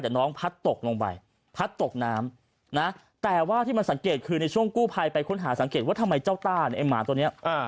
แต่น้องพัดตกลงไปพัดตกน้ำนะแต่ว่าที่มันสังเกตคือในช่วงกู้ภัยไปค้นหาสังเกตว่าทำไมเจ้าต้าเนี่ยไอ้หมาตัวเนี้ย